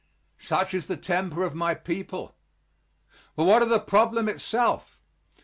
Such is the temper of my people. But what of the problem itself?